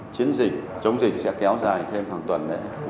chiến dịch chống dịch sẽ kéo dài thêm hàng tuần nữa